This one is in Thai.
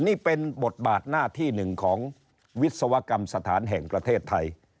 นี่เป็นบทบาทหน้าที่หนึ่งของวิศวกรรมสถานแห่งประเทศไทย